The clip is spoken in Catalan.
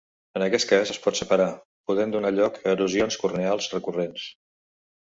En aquest cas es pot separar, podent donar lloc a erosions corneals recurrents.